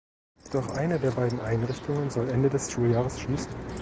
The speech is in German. Doch eine der beiden Einrichtungen soll Ende des Schuljahres schließen.